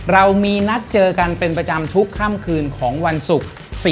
เรามีนัดเจอกันเป็นประจำทุกค่ำคืนของวันศุกร์